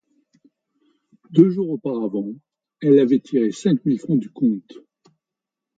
Deux jours auparavant, elle avait tiré cinq mille francs du comte.